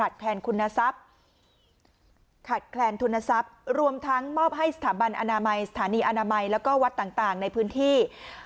ขาดแคลนทุนทรัพย์รวมทั้งมอบให้สถาบันอนามัยสถานีอนามัยแล้วก็วัดต่างในพื้นที่